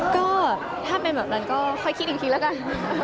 ก็ถ้าเป็นแบบนั้นก็ค่อยคิดอีกทีแล้วกัน